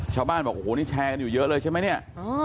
ชาวบ้านบอกโอ้โหนี่แชร์กันอยู่เยอะเลยใช่ไหมเนี่ย